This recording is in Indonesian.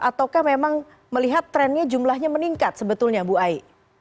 ataukah memang melihat trennya jumlahnya meningkat sebetulnya bu ai